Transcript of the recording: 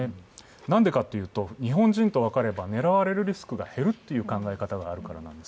なんでかというと、日本人と分かれば狙われるリスクが減るという考え方があるからなんです。